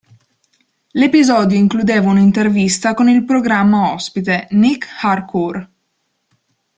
L'episodio includeva un'intervista con il programma ospite, Nic Harcourt.